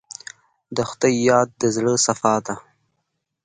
د خدای یاد د زړه صفا ده.